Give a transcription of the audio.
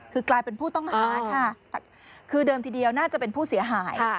คือกลายเป็นผู้ต้องหาค่ะคือเดิมทีเดียวน่าจะเป็นผู้เสียหาย